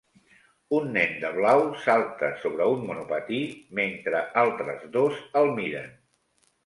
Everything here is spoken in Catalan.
Un nen de blau salta sobre un monopatí mentre altres dos el miren